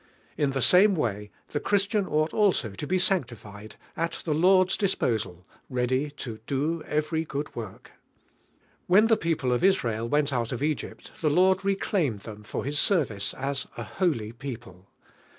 In the same way the Christian might also to be sane tified, at the Lord's disposal, "ready to do every good wort." When [lie people of Israel went out of Egypt, the Lord reclaimed them for His I* DIVINE HEALING. service as a holy people.